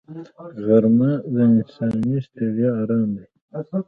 غرمه د انساني ستړیا آرام دی